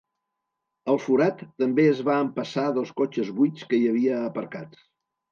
El forat també es va empassar dos cotxes buits que hi havia aparcats.